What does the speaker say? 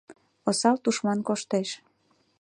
Осал тушман коштеш: